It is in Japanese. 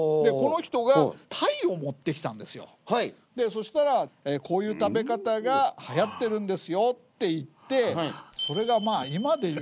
そしたらこういう食べ方がはやってるんですよって言ってそれが今で言うと天ぷらなんですよ。